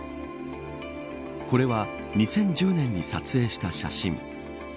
これは２０１０年に撮影した写真。